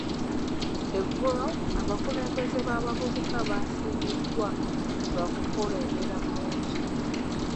Eggulo, abakulembeze b'abavubuka baasiimiddwa lwa kukulembera bulungi.